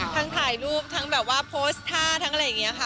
ถ่ายรูปทั้งแบบว่าโพสต์ท่าทั้งอะไรอย่างนี้ค่ะ